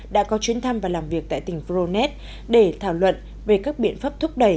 đã có chuyến thăm và làm việc tại tỉnh voronet để thảo luận về các biện pháp thúc đẩy